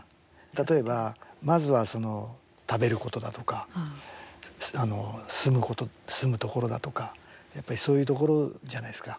例えば、まずは食べることだとか住む所だとか、やっぱりそういうところじゃないですか。